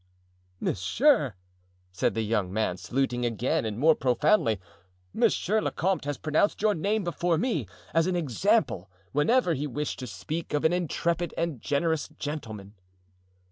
"Monsieur," said the young man, saluting again and more profoundly, "monsieur le comte has pronounced your name before me as an example whenever he wished to speak of an intrepid and generous gentleman."